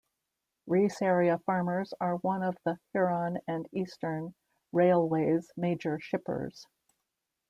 Reese area farmers are one of the Huron and Eastern Railway's major shippers.